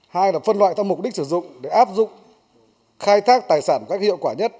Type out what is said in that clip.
hai là phân loại theo mục đích sử dụng để áp dụng khai thác tài sản các hiệu quả nhất